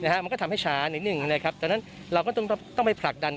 นะฮะมันก็ทำให้ชาหนึ่งหนึ่งนะครับแต่ฉะนั้นเราก็ต้องต้องไปผลักดัน